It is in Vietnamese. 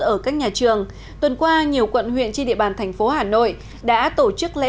ở các nhà trường tuần qua nhiều quận huyện trên địa bàn thành phố hà nội đã tổ chức lễ